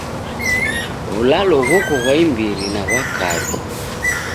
W'ulalo ghoko ghwa imbiri na ghwa kaw'i.